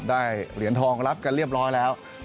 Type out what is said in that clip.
เหรียญทองรับกันเรียบร้อยแล้ว